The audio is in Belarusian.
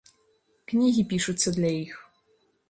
Кнігі пішуцца для іх.